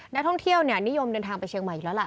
นักท่องเที่ยวนิยมเดินทางไปเชียงใหม่อีกแล้วล่ะ